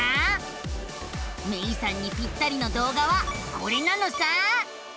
めいさんにぴったりの動画はこれなのさ。